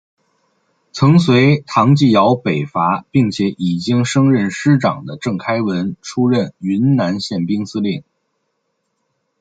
曾随唐继尧北伐并且已经升任师长的郑开文出任云南宪兵司令。